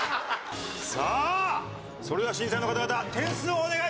さあそれでは審査員の方々点数をお願いします！